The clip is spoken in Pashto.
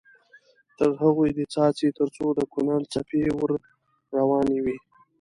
تر هغو دې څاڅي تر څو د کونړ څپې ور روانې وي.